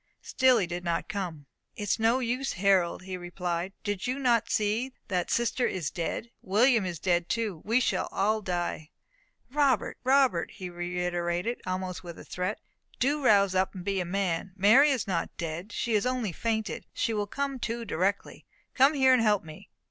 Still he did not come. "It is no use, Harold," he replied. "Do you not see that sister is dead? William is dead too! We shall all die!" "Robert! Robert!" he reiterated, almost with a threat, "do rouse up and be a man. Mary is not dead, she has only fainted; she will come to directly. Come here and help me."